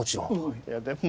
いやでも。